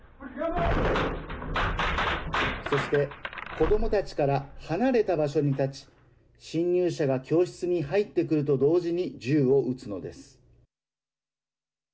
そして、子どもたちから離れた場所に立ち侵入者が教室に入ってくると同時に銃を撃つのです。